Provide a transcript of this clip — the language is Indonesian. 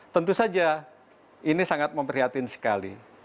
tentu saja ini sangat memprihatin sekali